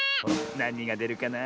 なにがでるかな？